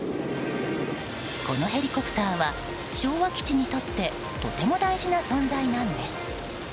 このヘリコプターは昭和基地にとってとても大事な存在なんです。